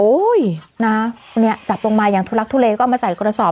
นะเนี่ยจับลงมาอย่างทุลักทุเลก็เอามาใส่กระสอบ